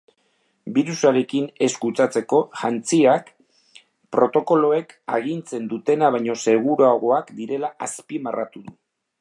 Birusarekin ez kutsatzeko jantziak protokoloek agintzen dutena baino seguruagoak direla azpimarratu du.